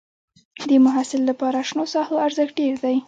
د محصل لپاره شنو ساحو ارزښت ډېر دی.